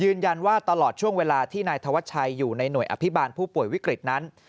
ตลอดช่วงเวลาที่นายธวัชชัยอยู่ในหน่วยอภิบาลผู้ป่วยวิกฤตนั้น